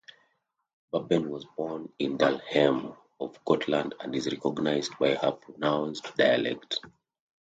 Babben was born in Dalhem on Gotland and is recognised by her pronounced dialect.